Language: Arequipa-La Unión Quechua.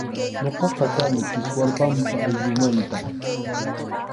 Ñuqaqa kani Kiswarpampa ayllumanta.